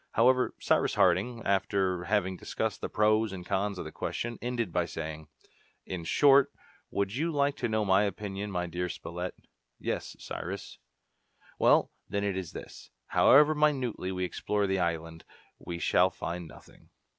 However Cyrus Harding, after having discussed the pros and cons of the question, ended by saying, "In short, would you like to know my opinion, my dear Spilett?" "Yes, Cyrus." "Well, then, it is this: however minutely we explore the island, we shall find nothing."